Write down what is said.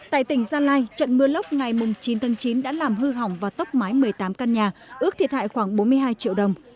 tại tỉnh gia lai trận mưa lốc ngày chín tháng chín đã làm hư hỏng và tốc mái một mươi tám căn nhà ước thiệt hại khoảng bốn mươi hai triệu đồng